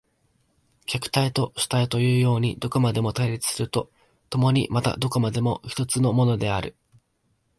客体と主体というようにどこまでも対立すると共にまたどこまでも一つのものである。